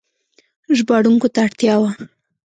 ژباړونکو ته اړتیا وه.